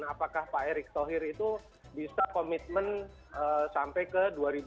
apakah pak erick thohir itu bisa komitmen sampai ke dua ribu dua puluh